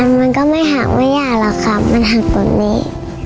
มันก็ไม่หักไม่ยากหรอกครับมันหักตรงนี้